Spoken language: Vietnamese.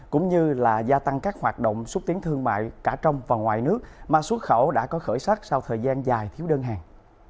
cũng như là gia tăng các hoạt động xúc tiến thương mại cả trong và ngoài nước mà xuất khẩu đã có khởi sắc sau thời gian dài thiếu đơn hàng